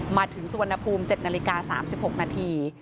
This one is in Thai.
มาถึงสุวรรณภูมิ๗นาฬิกา๓๖นาที